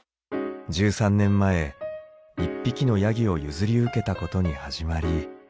１３年前１匹のヤギを譲り受けたことに始まり。